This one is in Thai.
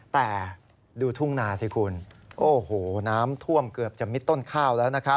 แต่ดูทุ่งนาสิคุณโอ้โหน้ำท่วมเกือบจะมิดต้นข้าวแล้วนะครับ